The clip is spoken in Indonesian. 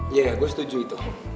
iya gua setuju itu